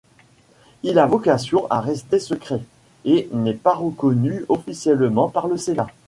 Il a vocation à rester secret, et n'est pas reconnu officiellement par le Sénat.